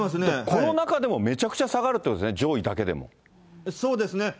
この中でもめちゃくちゃ差があるってことですね、上位だけでそうですね。